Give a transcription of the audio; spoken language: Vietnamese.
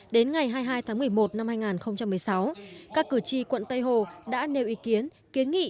đến ngày hai mươi hai tháng một mươi một năm hai nghìn một mươi sáu các cử tri quận tây hồ đã nêu ý kiến kiến nghị